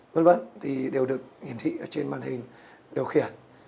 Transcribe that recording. v v thì đều được hiển thị trên màn hình điều khiển